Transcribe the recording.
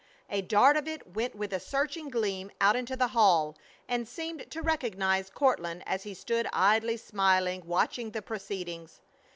A dart of it went with a searching gleam out into the hall, and seemed to recognize Courtland as he stood idly smiling, watching the proceedings.